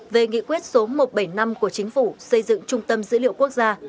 về nghị quyết số một trăm bảy mươi năm của chính phủ xây dựng trung tâm dữ liệu quốc gia